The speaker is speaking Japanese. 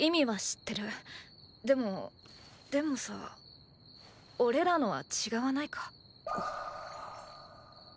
でもでもさおれらのは違わないか？